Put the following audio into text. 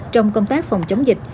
trong công tác phòng chống dịch